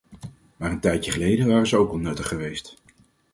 Maar een tijdje geleden waren ze ook al nuttig geweest.